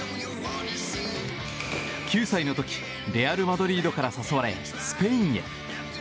９歳の時レアル・マドリードから誘われスペインへ。